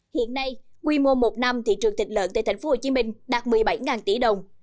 hiện nay quy mô một năm thị trường thịt lợn tại thành phố hồ chí minh đạt một mươi bảy tỷ đồng